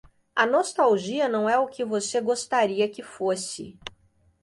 A nostalgia não é o que você gostaria que fosse.